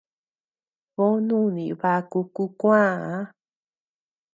Boo nuni baku kuu kuäa.